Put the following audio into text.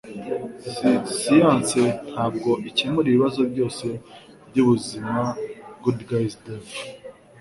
S] Siyanse ntabwo ikemura ibibazo byose byubuzima goodguydave